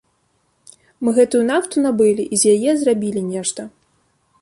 Мы гэтую нафту набылі і з яе зрабілі нешта.